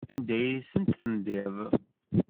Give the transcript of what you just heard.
Anda ay asent-tendiḍ?